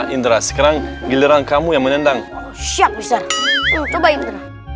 indra sekarang giliran kamu yang menendang siap bisa coba internet